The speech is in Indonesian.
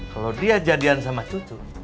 kalau dia jadian sama cucu